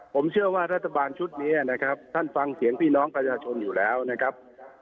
ผมเชื่อว่ารัฐบาลชุดนี้นะครับท่านฟังเสียงพี่น้องประชาชนอยู่แล้วนะครับ